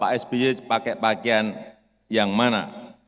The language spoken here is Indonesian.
saya harus nebak nebak pak sby pakai pakaian yang mana